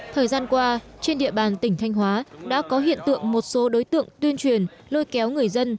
thời gian qua trên địa bàn tỉnh thanh hóa đã có hiện tượng một số đối tượng tuyên truyền lôi kéo người dân